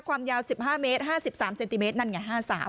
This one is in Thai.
ความยาว๑๕เมตร๕๓เซนติเมตรนั่นไง๕๓